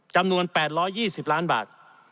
จำนวน๘๒๐ล้านบาท